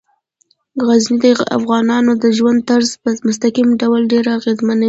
غزني د افغانانو د ژوند طرز په مستقیم ډول ډیر اغېزمنوي.